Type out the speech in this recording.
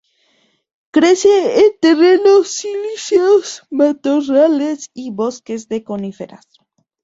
Crece en terrenos silíceos, matorrales y bosques de coníferas.